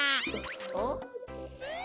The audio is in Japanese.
おっ？